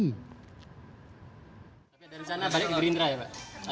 ada rencana balik ke gerindra ya pak